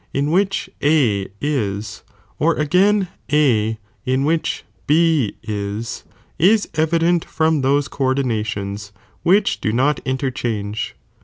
in which A is, or again A in which B is, is evi ^ dent from those co ordinations f which do not in terchange.